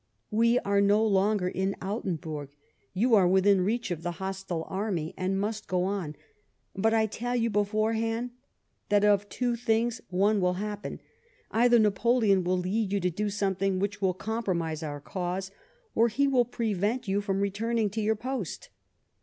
We are no longer in Altenburg ; you arc within reach of the hostile army, and must go on. But I tell you "beforehand, that of two things one will happen : either Napoleon will lead you to do something which will compromise our cause, or he will prevent you from returning to your post.